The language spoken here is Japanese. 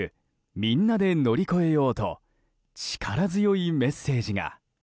みんなでのりこえよう」と力強いメッセージが。